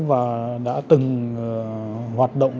và đã từng hoạt động